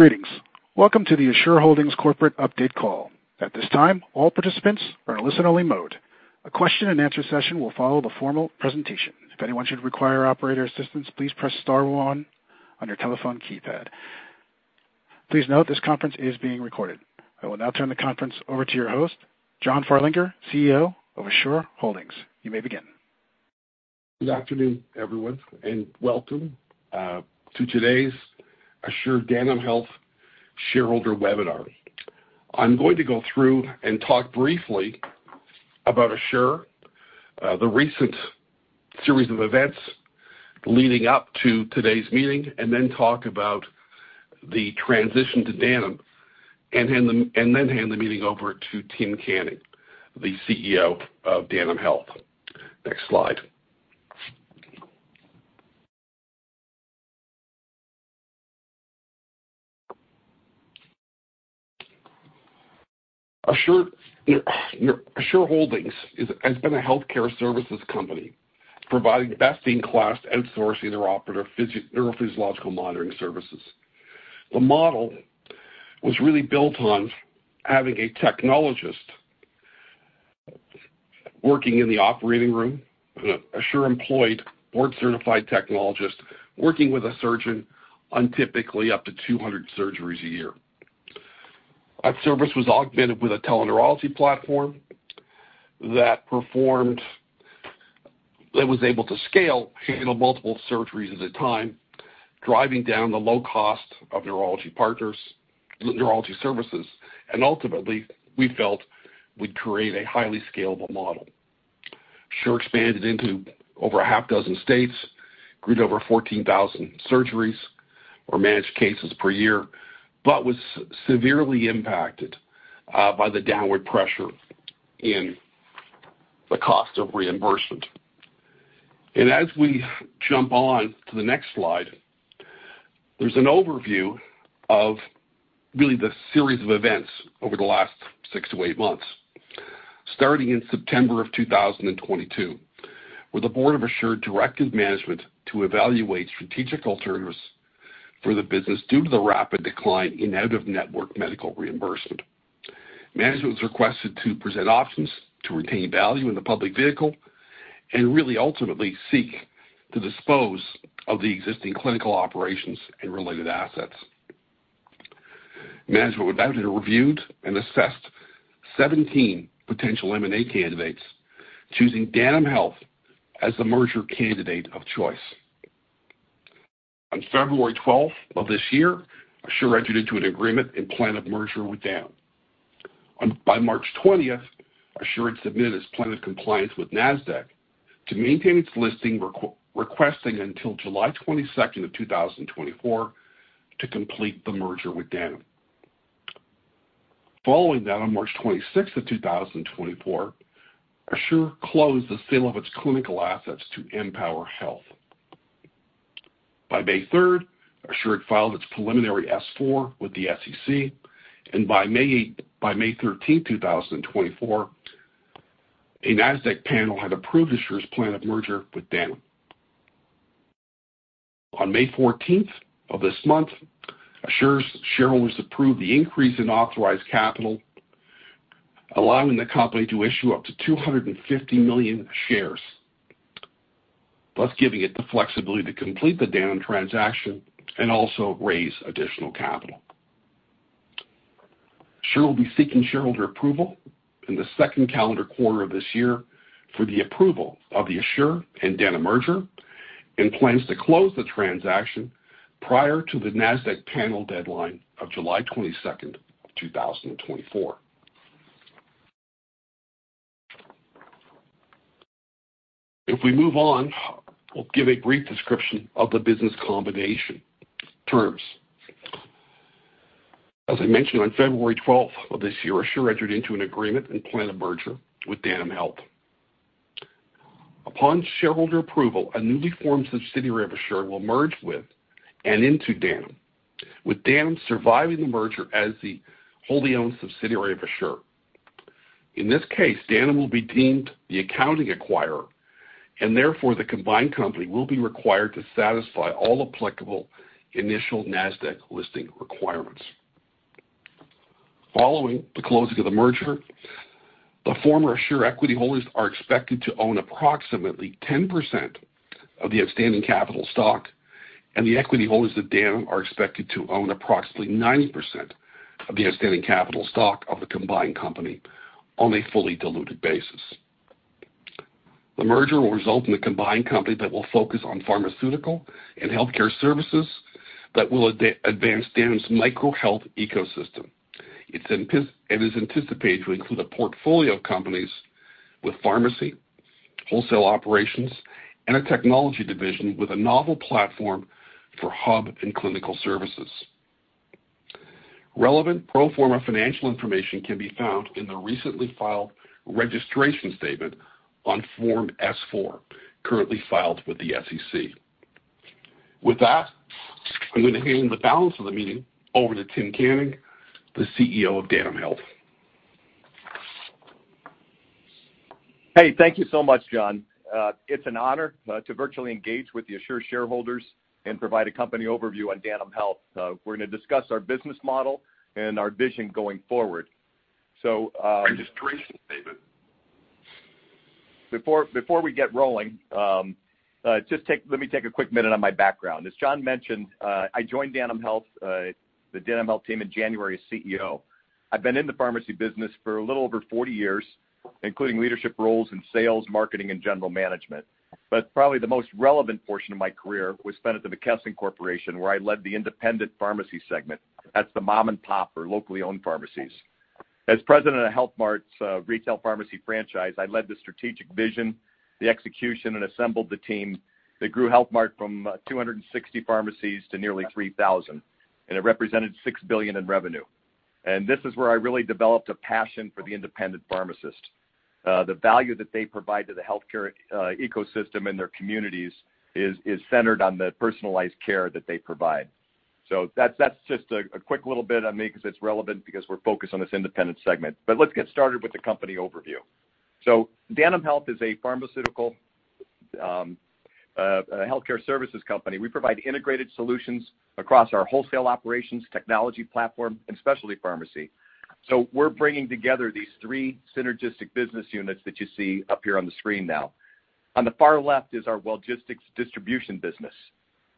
Greetings. Welcome to the Assure Holdings Corporate Update Call. At this time, all participants are in listen-only mode. A question-and-answer session will follow the formal presentation. If anyone should require operator assistance, please press star one on your telephone keypad. Please note, this conference is being recorded. I will now turn the conference over to your host, John Farlinger, CEO of Assure Holdings. You may begin. Good afternoon, everyone, and welcome to today's Assure Danam Health shareholder webinar. I'm going to go through and talk briefly about Assure, the recent series of events leading up to today's meeting, and then talk about the transition to Danam and then hand the meeting over to Tim Canning, the CEO of Danam Health. Next slide. Assure Holdings has been a healthcare services company providing best-in-class outsourcing intraoperative neurophysiological monitoring services. The model was really built on having a technologist working in the operating room, an Assure-employed board-certified technologist working with a surgeon on typically up to 200 surgeries a year. That service was augmented with a teleneurology platform that performed, that was able to scale, handle multiple surgeries at a time, driving down the low cost of neurology partners, neurology services, and ultimately, we felt we'd create a highly scalable model. Assure expanded into over 6 states, grew to over 14,000 surgeries or managed cases per year, but was severely impacted by the downward pressure in the cost of reimbursement. And as we jump on to the next slide, there's an overview of really the series of events over the last 6-8 months. Starting in September of 2022, where the board of Assure directed management to evaluate strategic alternatives for the business due to the rapid decline in out-of-network medical reimbursement. Management was requested to present options to retain value in the public vehicle and really ultimately seek to dispose of the existing clinical operations and related assets. Management reviewed and assessed 17 potential M&A candidates, choosing Danam Health as the merger candidate of choice. On February 12th, 2024 Assure entered into an agreement and plan of merger with Danam. By March 20th, Assure had submitted its plan of compliance with NASDAQ to maintain its listing, requesting until July 22, 2024 to complete the merger with Danam. Following that, on March 26, 2024, Assure closed the sale of its clinical assets to MPOWERHealth. By May 3, Assure had filed its preliminary S-4 with the SEC, and by May 13, 2024, a NASDAQ panel had approved Assure's plan of merger with Danam. On May fourteenth of this month, Assure's shareholders approved the increase in authorized capital, allowing the company to issue up to 250 million shares, thus giving it the flexibility to complete the Danam transaction and also raise additional capital. Assure will be seeking shareholder approval in the second calendar quarter of this year for the approval of the Assure and Danam merger and plans to close the transaction prior to the NASDAQ panel deadline of July 22nd, 2024. If we move on, we'll give a brief description of the business combination terms. As I mentioned, on February 12th, 2024, Assure entered into an agreement and plan of merger with Danam Health. Upon shareholder approval, a newly formed subsidiary of Assure will merge with and into Danam, with Danam surviving the merger as the wholly owned subsidiary of Assure. In this case, Danam will be deemed the accounting acquirer, and therefore the combined company will be required to satisfy all applicable initial NASDAQ listing requirements. Following the closing of the merger, the former Assure equity holders are expected to own approximately 10% of the outstanding capital stock, and the equity holders of Danam are expected to own approximately 90% of the outstanding capital stock of the combined company on a fully diluted basis. The merger will result in a combined company that will focus on pharmaceutical and healthcare services that will advance Danam's micro health ecosystem. It is anticipated to include a portfolio of companies with pharmacy, wholesale operations, and a technology division with a novel platform for hub and clinical services. Relevant pro forma financial information can be found in the recently filed registration statement on Form S-4, currently filed with the SEC. With that, I'm going to hand the balance of the meeting over to Tim Canning, the CEO of Danam Health. Hey, thank you so much, John. It's an honor to virtually engage with the Assure shareholders and provide a company overview on Danam Health. We're gonna discuss our business model and our vision going forward. So, registration statement. Before, before we get rolling, just take, let me take a quick minute on my background. As John mentioned, I joined Danam Health, the Danam Health team in January as CEO. I've been in the pharmacy business for a little over 40 years, including leadership roles in sales, marketing, and general management. But probably the most relevant portion of my career was spent at the McKesson Corporation, where I led the independent pharmacy segment. That's the mom-and-pop or locally owned pharmacies. As president of Health Mart's retail pharmacy franchise, I led the strategic vision, the execution, and assembled the team that grew Health Mart from 260 pharmacies to nearly 3,000, and it represented $6 billion in revenue. This is where I really developed a passion for the independent pharmacist. The value that they provide to the healthcare ecosystem and their communities is centered on the personalized care that they provide. That's just a quick little bit on me, because it's relevant, because we're focused on this independent segment. Let's get started with the company overview. So Danam Health is a pharmaceutical, a healthcare services company. We provide integrated solutions across our wholesale operations, technology platform, and specialty pharmacy. So we're bringing together these three synergistic business units that you see up here on the screen now. On the far left is our Wellgistics distribution business.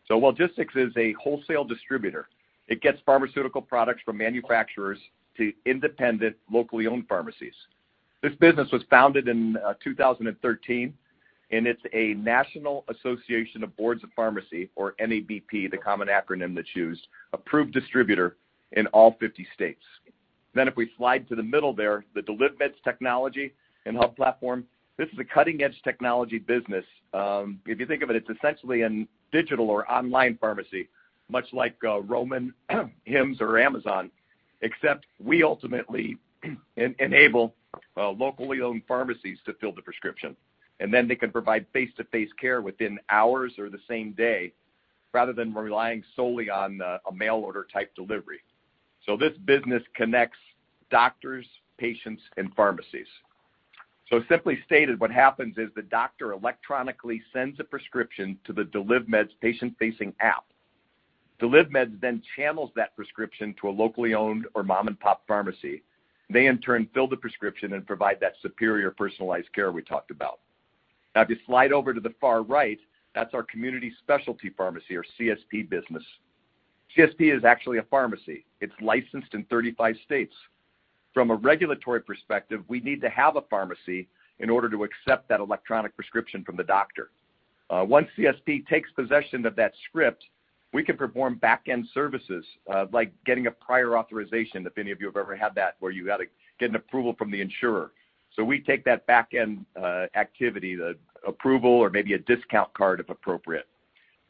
So Wellgistics is a wholesale distributor. It gets pharmaceutical products from manufacturers to independent, locally owned pharmacies. This business was founded in 2013, and it's a National Association of Boards of Pharmacy, or NABP, the common acronym that's used, approved distributor in all 50 states. Then if we slide to the middle there, the DelivMeds technology and health platform, this is a cutting-edge technology business. If you think of it, it's essentially a digital or online pharmacy, much like Roman, Hims, or Amazon, except we ultimately enable locally owned pharmacies to fill the prescription, and then they can provide face-to-face care within hours or the same day, rather than relying solely on a mail order type delivery. This business connects doctors, patients, and pharmacies. Simply stated, what happens is the doctor electronically sends a prescription to the DelivMeds patient-facing app. DelivMeds then channels that prescription to a locally owned or mom-and-pop pharmacy. They, in turn, fill the prescription and provide that superior personalized care we talked about. Now, if you slide over to the far right, that's our community specialty pharmacy or CSP business. CSP is actually a pharmacy. It's licensed in 35 states. From a regulatory perspective, we need to have a pharmacy in order to accept that electronic prescription from the doctor. Once CSP takes possession of that script, we can perform back-end services, like getting a prior authorization, if any of you have ever had that, where you gotta get an approval from the insurer. So we take that back-end activity, the approval or maybe a discount card, if appropriate.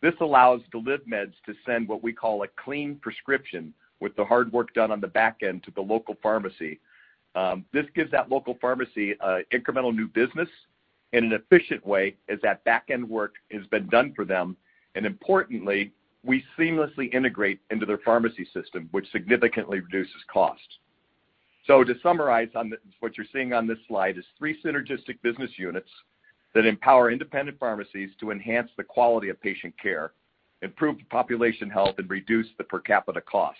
This allows DelivMeds to send what we call a clean prescription with the hard work done on the back end to the local pharmacy. This gives that local pharmacy incremental new business in an efficient way, as that back-end work has been done for them. Importantly, we seamlessly integrate into their pharmacy system, which significantly reduces cost. So to summarize on the, what you're seeing on this slide is three synergistic business units that empower independent pharmacies to enhance the quality of patient care, improve population health, and reduce the per capita cost.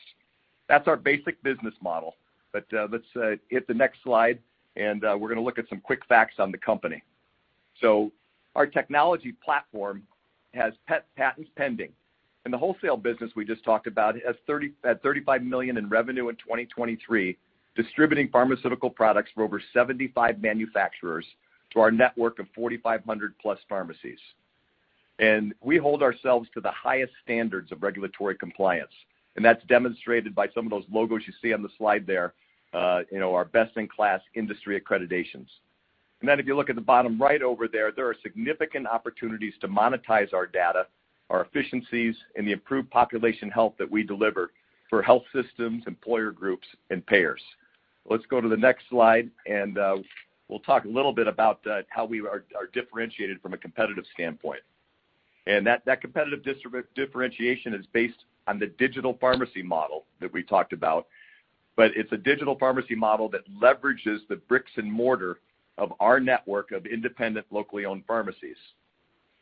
That's our basic business model. But, let's hit the next slide, and, we're gonna look at some quick facts on the company. So our technology platform has patents pending, and the wholesale business we just talked about had $35 million in revenue in 2023, distributing pharmaceutical products for over 75 manufacturers to our network of 4,500+ pharmacies. And we hold ourselves to the highest standards of regulatory compliance, and that's demonstrated by some of those logos you see on the slide there, you know, our best-in-class industry accreditations. And then if you look at the bottom right over there, there are significant opportunities to monetize our data, our efficiencies, and the improved population health that we deliver for health systems, employer groups, and payers. Let's go to the next slide, and we'll talk a little bit about how we are differentiated from a competitive standpoint. And that competitive differentiation is based on the digital pharmacy model that we talked about, but it's a digital pharmacy model that leverages the bricks and mortar of our network of independent, locally owned pharmacies.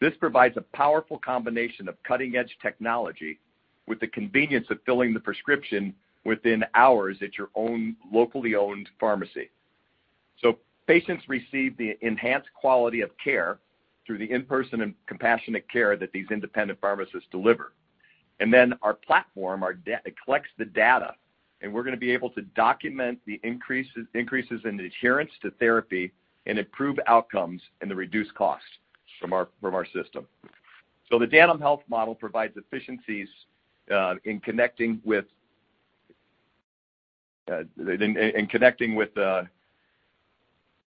This provides a powerful combination of cutting-edge technology with the convenience of filling the prescription within hours at your own locally owned pharmacy. So patients receive the enhanced quality of care through the in-person and compassionate care that these independent pharmacists deliver. And then our platform, it collects the data, and we're gonna be able to document the increases in adherence to therapy and improve outcomes and the reduced cost from our system. So the Danam Health model provides efficiencies in connecting with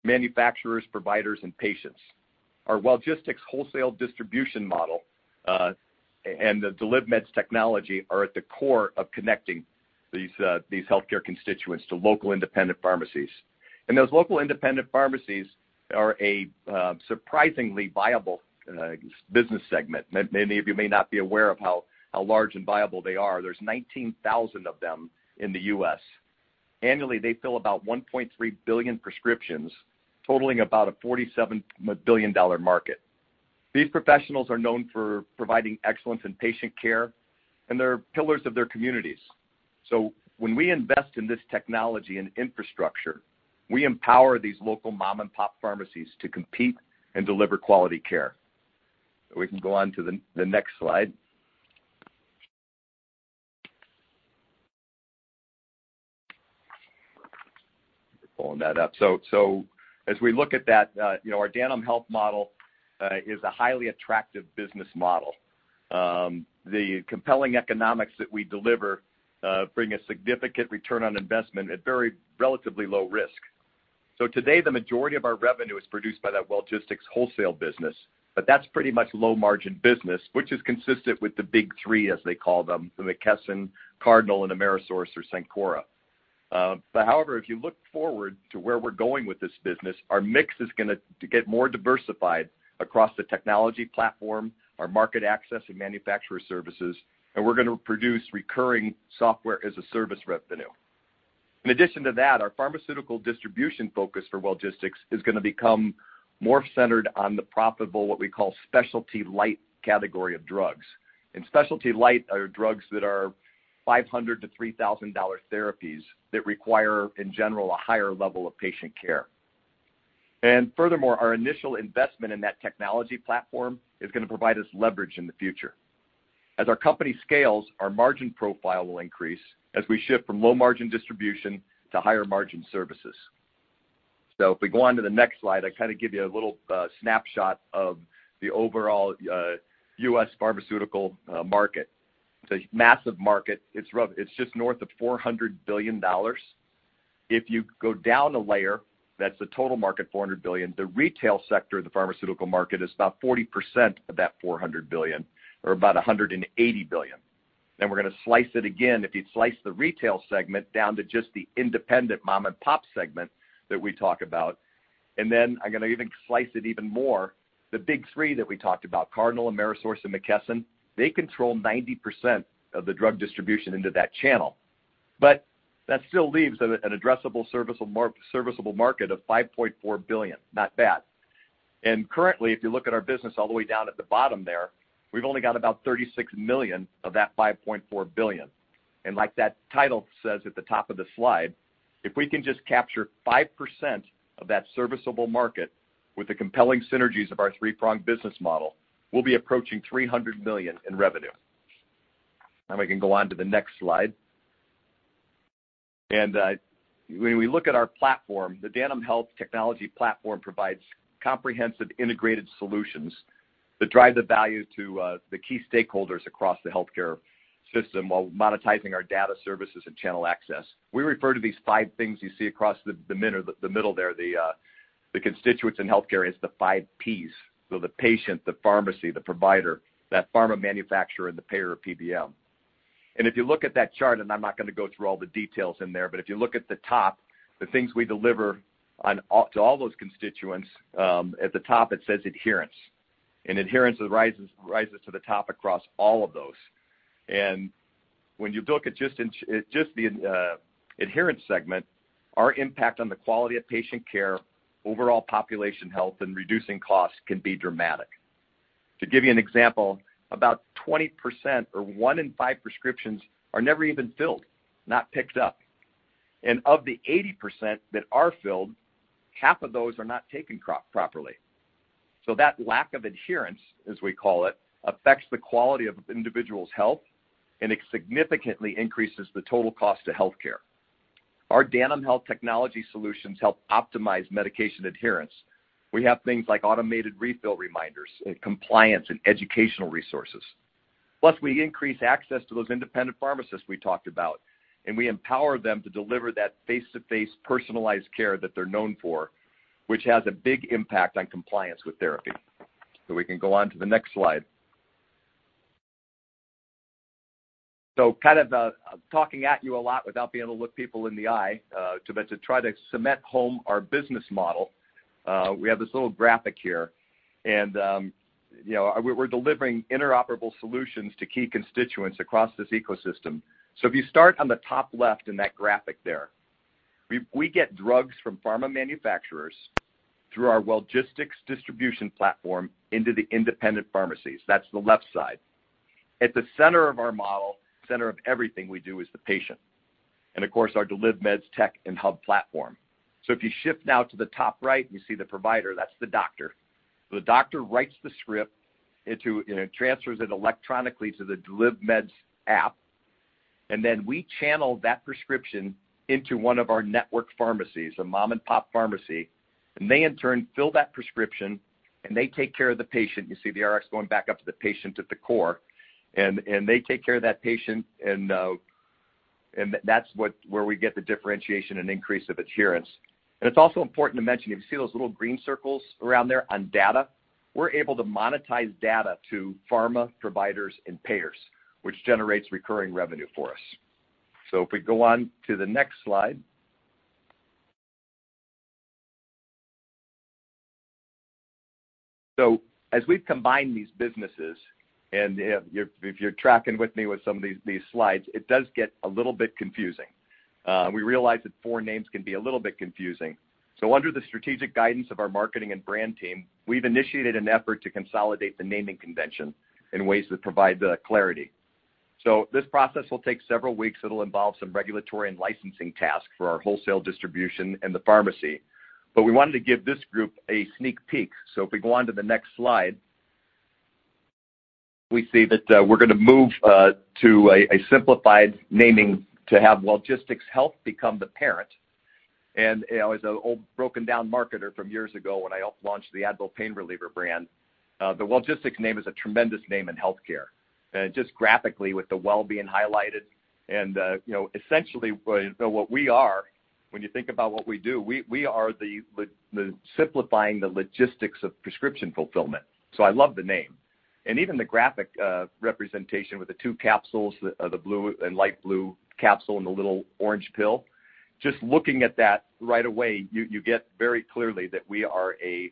manufacturers, providers, and patients. Our Wellgistics wholesale distribution model and the DelivMeds technology are at the core of connecting these healthcare constituents to local independent pharmacies. And those local independent pharmacies are a surprisingly viable business segment. Many of you may not be aware of how large and viable they are. There's 19,000 of them in the U.S. Annually, they fill about 1.3 billion prescriptions, totaling about a $47 billion market. These professionals are known for providing excellence in patient care, and they're pillars of their communities. So when we invest in this technology and infrastructure, we empower these local mom-and-pop pharmacies to compete and deliver quality care. We can go on to the next slide. Pulling that up. So as we look at that, you know, our Danam Health model is a highly attractive business model. The compelling economics that we deliver bring a significant return on investment at very relatively low risk. So today, the majority of our revenue is produced by that Wellgistics wholesale business, but that's pretty much low-margin business, which is consistent with the big three, as they call them, the McKesson, Cardinal, and Amerisource or Cencora. But however, if you look forward to where we're going with this business, our mix is gonna to get more diversified across the technology platform, our market access and manufacturer services, and we're gonna produce recurring software as a service revenue. In addition to that, our pharmaceutical distribution focus for Wellgistics is gonna become more centered on the profitable, what we call Specialty Lite category of drugs. Specialty Lite are drugs that are $500-$3,000 therapies that require, in general, a higher level of patient care. Furthermore, our initial investment in that technology platform is gonna provide us leverage in the future. As our company scales, our margin profile will increase as we shift from low-margin distribution to higher-margin services. So if we go on to the next slide, I kind of give you a little snapshot of the overall U.S. pharmaceutical market. It's a massive market. It's rough. It's just north of $400 billion. If you go down a layer, that's the total market, $400 billion. The retail sector of the pharmaceutical market is about 40% of that $400 billion, or about $180 billion. Then we're gonna slice it again. If you slice the retail segment down to just the independent mom-and-pop segment that we talk about, and then I'm gonna even slice it even more, the big three that we talked about, Cardinal, Amerisource, and McKesson, they control 90% of the drug distribution into that channel. But that still leaves an addressable serviceable market of $5.4 billion. Not bad. Currently, if you look at our business all the way down at the bottom there, we've only got about $36 million of that $5.4 billion. And like that title says at the top of the slide, if we can just capture 5% of that serviceable market with the compelling synergies of our three-pronged business model, we'll be approaching $300 million in revenue. And we can go on to the next slide. And, when we look at our platform, the Danam Health Technology platform provides comprehensive integrated solutions that drive the value to, the key stakeholders across the healthcare system while monetizing our data services and channel access. We refer to these five things you see across the middle there, the constituents in healthcare, as the five Ps. So the patient, the pharmacy, the provider, that pharma manufacturer, and the payer or PBM. And if you look at that chart, and I'm not gonna go through all the details in there, but if you look at the top, the things we deliver on to all those constituents, at the top it says adherence, and adherence rises, rises to the top across all of those. And when you look at just in, just the adherence segment, our impact on the quality of patient care, overall population health, and reducing costs can be dramatic. To give you an example, about 20% or one in five prescriptions are never even filled, not picked up. And of the 80% that are filled, half of those are not taken properly. So that lack of adherence, as we call it, affects the quality of individual's health, and it significantly increases the total cost to healthcare. Our Danam Health Technology solutions help optimize medication adherence. We have things like automated refill reminders and compliance and educational resources. Plus, we increase access to those independent pharmacists we talked about, and we empower them to deliver that face-to-face, personalized care that they're known for, which has a big impact on compliance with therapy. So we can go on to the next slide. So kind of talking at you a lot without being able to look people in the eye, but to try to cement home our business model, we have this little graphic here. And, you know, we're delivering interoperable solutions to key constituents across this ecosystem. So if you start on the top left in that graphic there, we get drugs from pharma manufacturers through our Wellgistics Distribution platform into the independent pharmacies. That's the left side. At the center of our model, center of everything we do, is the patient, and of course, our DelivMeds tech and hub platform. So if you shift now to the top right, you see the provider, that's the doctor. The doctor writes the script into, you know, transfers it electronically to the DelivMeds app, and then we channel that prescription into one of our network pharmacies, a mom-and-pop pharmacy, and they in turn, fill that prescription, and they take care of the patient. You see the RX going back up to the patient at the core, and they take care of that patient, and that's what, where we get the differentiation and increase of adherence. And it's also important to mention, you see those little green circles around there on data? We're able to monetize data to pharma, providers, and payers, which generates recurring revenue for us. So if we go on to the next slide. So as we've combined these businesses, and if you're tracking with me with some of these slides, it does get a little bit confusing. We realize that four names can be a little bit confusing. So under the strategic guidance of our marketing and brand team, we've initiated an effort to consolidate the naming convention in ways that provide the clarity. So this process will take several weeks. It'll involve some regulatory and licensing tasks for our wholesale distribution and the pharmacy, but we wanted to give this group a sneak peek. So if we go on to the next slide, we see that we're gonna move to a simplified naming to have Wellgistics Health become the parent. And, you know, as an old, broken down marketer from years ago, when I helped launch the Advil pain reliever brand, the Wellgistics name is a tremendous name in healthcare. And just graphically, with the well being highlighted and, you know, essentially, what we are, when you think about what we do, we are simplifying the logistics of prescription fulfillment. So I love the name. And even the graphic representation with the two capsules, the blue and light blue capsule, and the little orange pill. Just looking at that, right away, you get very clearly that we are a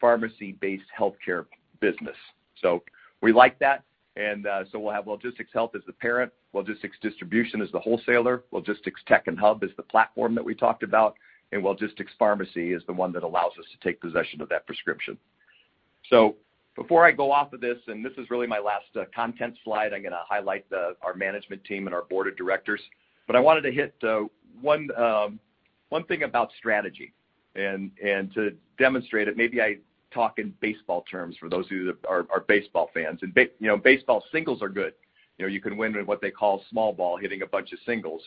pharmacy-based healthcare business. So we like that, and so we'll have Wellgistics Health as the parent, Wellgistics Distribution as the wholesaler, Wellgistics Tech and Hub as the platform that we talked about, and Wellgistics Pharmacy is the one that allows us to take possession of that prescription. So before I go off of this, and this is really my last content slide, I'm gonna highlight the our management team and our board of directors. But I wanted to hit one thing about strategy, and to demonstrate it, maybe I talk in baseball terms for those who are baseball fans. You know, baseball singles are good. You know, you can win with what they call small ball, hitting a bunch of singles.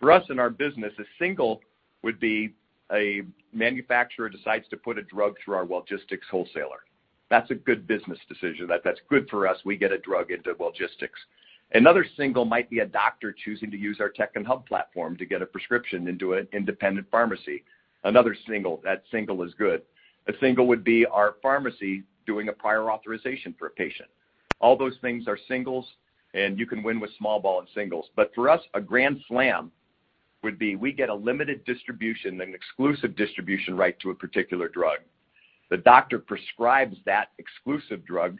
For us, in our business, a single would be a manufacturer decides to put a drug through our Wellgistics wholesaler. That's a good business decision. That's good for us. We get a drug into Wellgistics. Another single might be a doctor choosing to use our tech and hub platform to get a prescription into an independent pharmacy. Another single, that single is good. A single would be our pharmacy doing a prior authorization for a patient. All those things are singles, and you can win with small ball and singles. But for us, a grand slam would be, we get a limited distribution and exclusive distribution right to a particular drug. The doctor prescribes that exclusive drug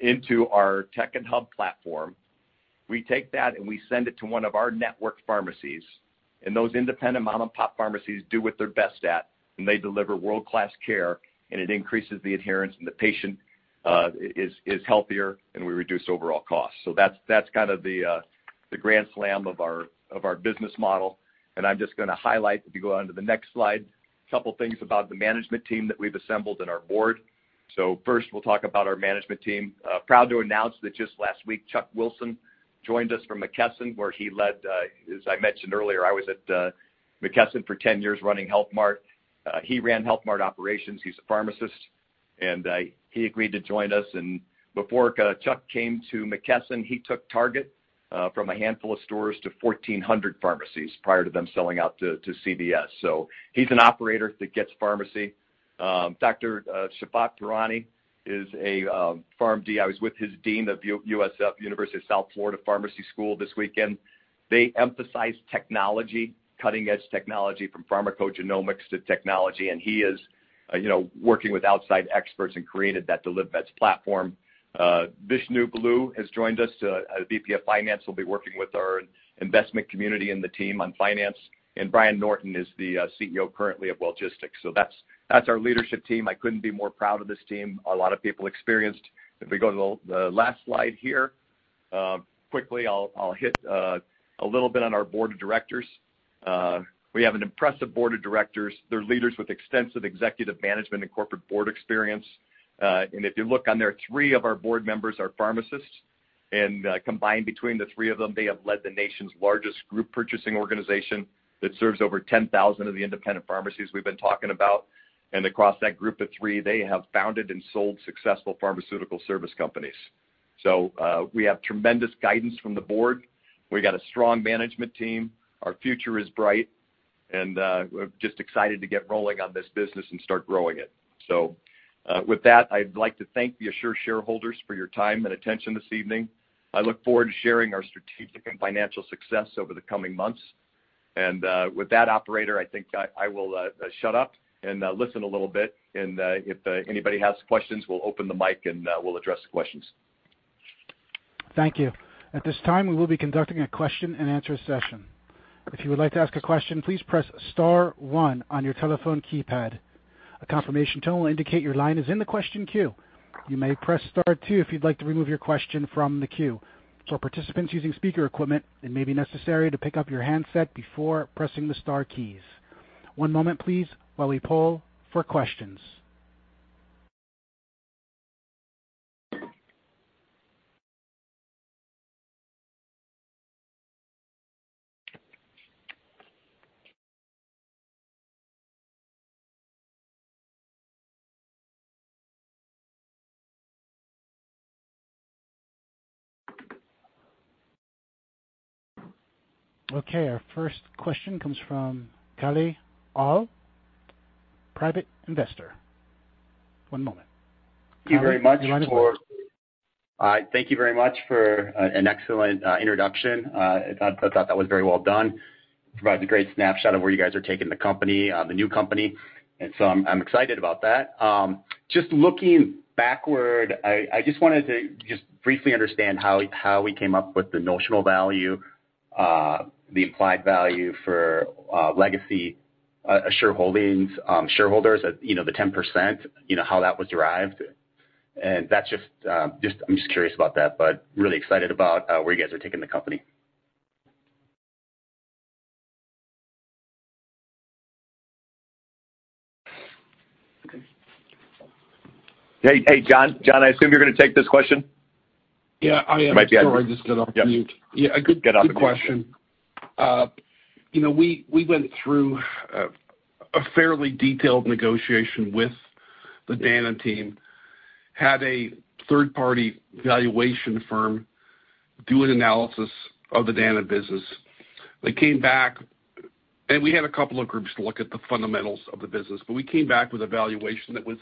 into our tech and hub platform. We take that, and we send it to one of our network pharmacies, and those independent mom-and-pop pharmacies do what they're best at, and they deliver world-class care, and it increases the adherence, and the patient is healthier, and we reduce overall costs. So that's, that's kind of the grand slam of our business model. And I'm just gonna highlight, if you go on to the next slide, a couple things about the management team that we've assembled and our board. So first, we'll talk about our management team. Proud to announce that just last week, Chuck Wilson joined us from McKesson, where he led. As I mentioned earlier, I was at McKesson for 10 years, running Health Mart. He ran Health Mart operations. He's a pharmacist, and he agreed to join us. And before Chuck came to McKesson, he took Target from a handful of stores to 1,400 pharmacies prior to them selling out to CVS. So he's an operator that gets pharmacy. Dr. Shafat Durrani is a PharmD. I was with his dean of USF, University of South Florida Pharmacy School, this weekend. They emphasize technology, cutting-edge technology, from pharmacogenomics to technology, and he is, you know, working with outside experts and created that DelivMeds platform. Vishnu Balu has joined us as VP of Finance, will be working with our investment community and the team on finance. And Brian Norton is the CEO currently of Wellgistics. So that's our leadership team. I couldn't be more proud of this team. A lot of people experienced. If we go to the last slide here, quickly I'll hit a little bit on our board of directors. We have an impressive board of directors. They're leaders with extensive executive management and corporate board experience. And if you look on there, three of our board members are pharmacists, and combined between the three of them, they have led the nation's largest group purchasing organization that serves over 10,000 of the independent pharmacies we've been talking about. And across that group of three, they have founded and sold successful pharmaceutical service companies. So, we have tremendous guidance from the board. We've got a strong management team. Our future is bright, and we're just excited to get rolling on this business and start growing it. So, with that, I'd like to thank the Assure shareholders for your time and attention this evening. I look forward to sharing our strategic and financial success over the coming months. And with that, operator, I think I will shut up and listen a little bit. If anybody has questions, we'll open the mic, and we'll address the questions. Thank you. At this time, we will be conducting a question-and-answer session. If you would like to ask a question, please press star one on your telephone keypad. A confirmation tone will indicate your line is in the question queue. You may press star two if you'd like to remove your question from the queue. For participants using speaker equipment, it may be necessary to pick up your handset before pressing the star keys. One moment, please, while we poll for questions. Okay, our first question comes from Kelly Ahl, private investor. One moment. Thank you very much for, hi, thank you very much for an excellent introduction. I thought that was very well done. Provides a great snapshot of where you guys are taking the company, the new company, and so I'm excited about that. Just looking backward, I just wanted to just briefly understand how we came up with the notional value, the implied value for legacy Assure Holdings shareholders, you know, the 10%, you know, how that was derived. And that's just, I'm just curious about that, but really excited about where you guys are taking the company. Hey, hey, John. John, I assume you're gonna take this question? Yeah, I am. You might be- Sorry, I just got off mute. Yeah. Yeah, a good- Get off mute. Good question. You know, we, we went through a fairly detailed negotiation with the Danam team, had a third-party valuation firm do an analysis of the Danam business. They came back, and we had a couple of groups look at the fundamentals of the business, but we came back with a valuation that was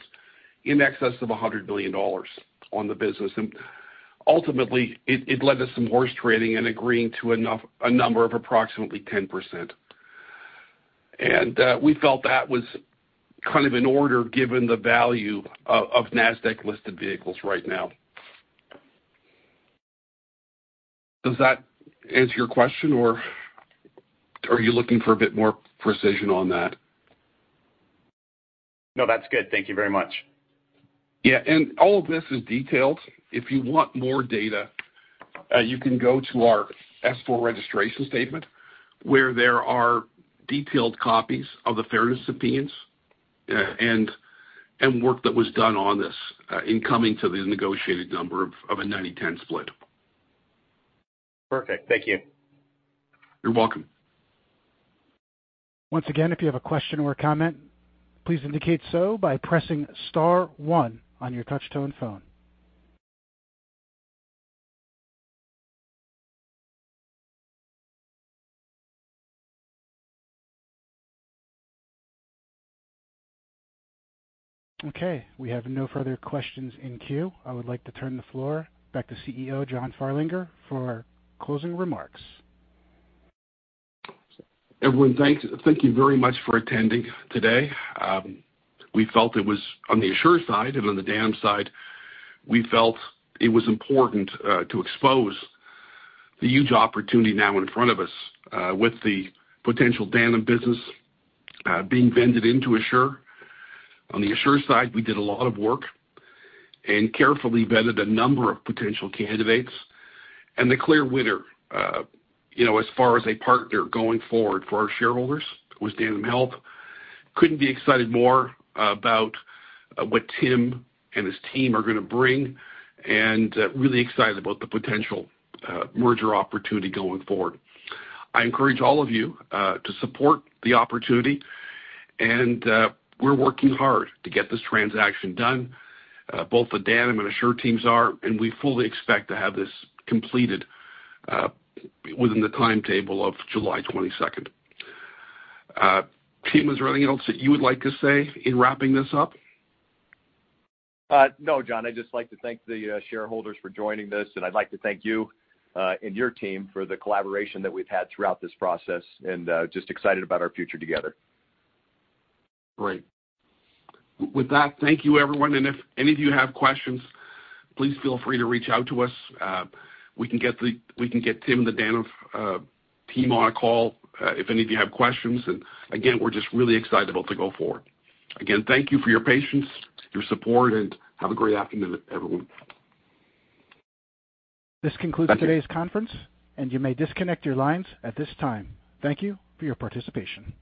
in excess of $100 billion on the business, and ultimately it, it led to some horse trading and agreeing to enough, a number of approximately 10%. And we felt that was kind of in order, given the value of NASDAQ-listed vehicles right now. Does that answer your question, or are you looking for a bit more precision on that? No, that's good. Thank you very much. Yeah, and all of this is detailed. If you want more data, you can go to our Form S-4 registration statement, where there are detailed copies of the fairness opinions, and work that was done on this, in coming to the negotiated number of a 90/10 split. Perfect. Thank you. You're welcome. Once again, if you have a question or a comment, please indicate so by pressing star one on your touch-tone phone. Okay, we have no further questions in queue. I would like to turn the floor back to CEO John Farlinger for closing remarks. Everyone, thank you very much for attending today. We felt it was on the Assure side and on the Danam side, we felt it was important to expose the huge opportunity now in front of us with the potential Danam business being vended into Assure. On the Assure side, we did a lot of work and carefully vetted a number of potential candidates. The clear winner, you know, as far as a partner going forward for our shareholders, was Danam Health. Couldn't be excited more about what Tim and his team are gonna bring, and really excited about the potential merger opportunity going forward. I encourage all of you to support the opportunity, and we're working hard to get this transaction done, both the Danam and Assure teams are, and we fully expect to have this completed within the timetable of July 22nd. Tim, is there anything else that you would like to say in wrapping this up? No, John, I'd just like to thank the shareholders for joining this, and I'd like to thank you and your team for the collaboration that we've had throughout this process, and just excited about our future together. Great. With that, thank you, everyone, and if any of you have questions, please feel free to reach out to us. We can get Tim and the Danam team on a call if any of you have questions. Again, we're just really excited about the go forward. Again, thank you for your patience, your support, and have a great afternoon, everyone. This concludes today's conference, and you may disconnect your lines at this time. Thank you for your participation.